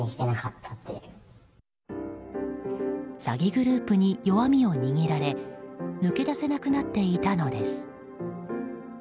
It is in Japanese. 詐欺グループに弱みを握られ抜け出せなくなっていたのです。